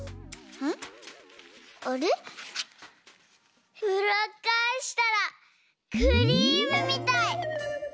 うらっかえしたらクリームみたい！